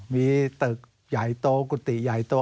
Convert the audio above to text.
มีตึกใหญ่โตกุฏิใหญ่โต